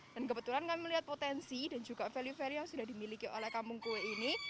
dan kebetulan kami melihat potensi dan juga value value yang sudah dimiliki oleh kampung kue ini